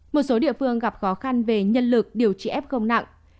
một số địa phương gặp khó khăn về nhân lực điều trị f nặng